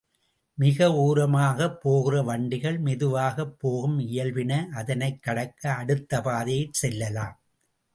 மிக ஓரமாகப் போகிற வண்டிகள் மெதுவாகப் போகும் இயல்பின அதனைக் கடக்க அடுத்த பாதையில் செல்லலாம்.